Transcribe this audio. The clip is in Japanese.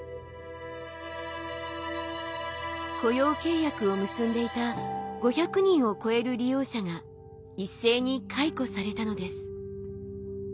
雇用契約を結んでいた５００人を超える利用者が一斉に解雇されたのです。